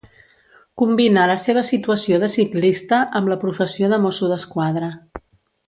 Combina la seva situació de ciclista amb la professió de mosso d'esquadra.